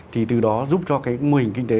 thì từ đó giúp cho cái mô hình kinh tế